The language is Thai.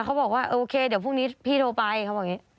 เขาบอกว่าโอเคเดี๋ยวพรุ่งนี้พี่โทรไปเขาบอกอย่างนี้